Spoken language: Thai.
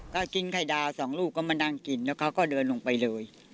ก็กินไข่ดาวสองลูกก็มานั่งกินแล้วเขาก็เดินลงไปเลย